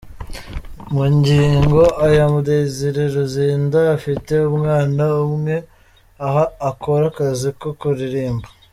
Magingo aya Desire Luzinda afite umwana umwe aho akora akazi ko kuririmba.